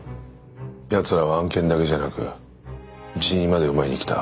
ヤツらは案件だけじゃなく人員まで奪いに来た。